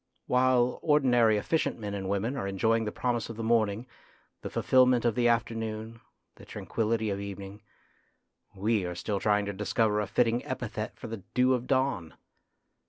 While ordinary efficient men and women are enjoying the promise of the morning, the 254 THE GREAT MAN 255 fulfilment of the afternoon, the tranquillity of evening, we are still trying to discover a fitting epithet for the dew of dawn.